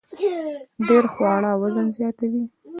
ډیر خواړه وزن زیاتوي